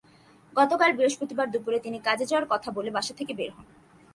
গতকাল বৃহস্পতিবার দুপুরে তিনি কাজে যাওয়ার কথা বলে বাসা থেকে বের হন।